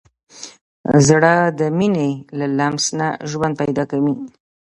زړه د مینې له لمس نه ژوند پیدا کوي.